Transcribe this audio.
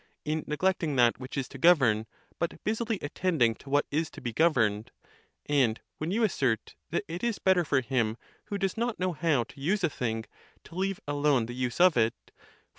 in neglecting that which is to govern, but busily attending to what is to be governed ;? and when you assert that it is better for him, who does not know how to use a thing, to leave alone the use of it; for?